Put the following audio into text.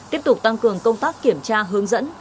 tiếp tục tăng cường công tác kiểm tra hướng dẫn